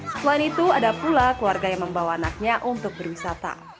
selain itu ada pula keluarga yang membawa anaknya untuk berwisata